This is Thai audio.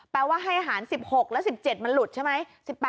ว่าให้อาหาร๑๖และ๑๗มันหลุดใช่ไหม